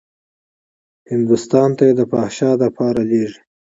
هندوستان ته يې د فحشا دپاره لېږي.